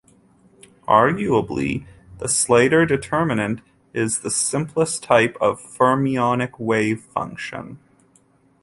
Arguably, the Slater determinant is the simplest type of fermionic wave function.